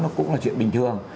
nó cũng là chuyện bình thường